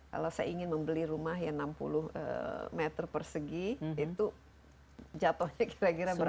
kalau saya ingin membeli rumah yang enam puluh meter persegi itu jatuhnya kira kira berapa